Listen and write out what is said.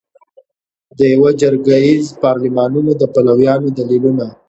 د یوه جرګه ایز پارلمانونو د پلویانو دلیلونه